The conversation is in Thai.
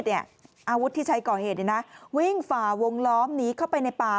อาวุธที่ใช้ก่อเหตุวิ่งฝ่าวงล้อมหนีเข้าไปในป่า